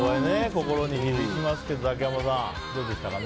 心に響きますけど竹山さん、どうでしたか？